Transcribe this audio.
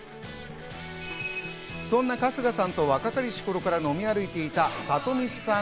そんな春日さんと若かりし頃から飲み歩いていたサトミツさん